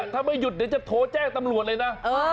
ถ้าไม่หยุดเดี๋ยวจะโทรแจ้งตำรวจเลยนะ